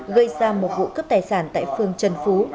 gây ra một vụ cướp tài sản tại phường trần phú